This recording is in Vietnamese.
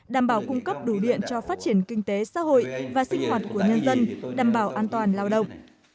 đảm bảo cung cấp đủ điện cho phát triển kinh tế xã hội và sinh hoạt của nhân dân đảm bảo an toàn lao động